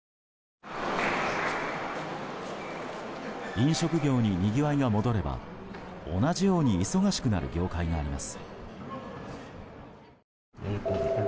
飲食業ににぎわいが戻れば同じように忙しくなる業界があります。